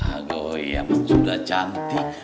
aduh iya emang sudah cantik